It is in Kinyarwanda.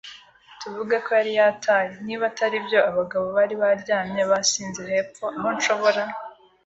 tuvuge ko yari yataye. Niba atari byo, abagabo bari baryamye basinze hepfo, aho nshobora